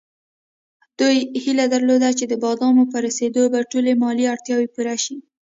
دوی هیله درلوده چې د بادامو په رسېدو به ټولې مالي اړتیاوې پوره شي.